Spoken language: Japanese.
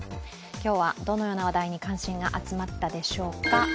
今日はどのような話題に関心が集まったでしょうか。